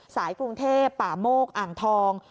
กรุงเทพป่าโมกอ่างทอง